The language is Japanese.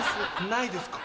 ないですか。